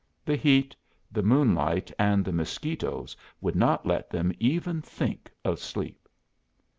The heat, the moonlight, and the mosquitoes would not let them even think of sleep.